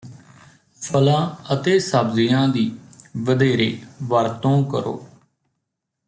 ਫਲਾਂ ਅਤੇ ਸਬਜ਼ੀਆਂ ਦੀ ਵਧੇਰੇ ਵਰਤੋਂ ਕਰੋ